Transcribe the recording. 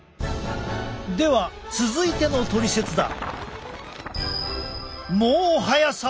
では続いてのトリセツだ。